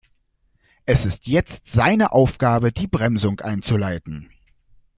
Es ist jetzt seine Aufgabe, die Bremsung einzuleiten.